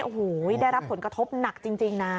โอ้โหได้รับผลกระทบหนักจริงนะ